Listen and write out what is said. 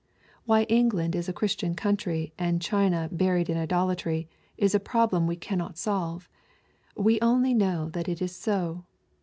Why England is a Christian country and China buried in idolatry^ is a problem we cannot solve. We only know that it is so.